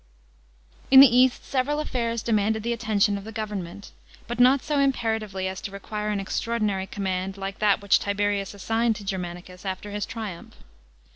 § 11. In the East several affairs demanded the attention of the government, but not so imperatively as to require an extraordinary command like that which Tiberius assigned to Germanicus after his triumph.